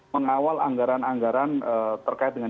mengawal anggaran anggaran terkait dengan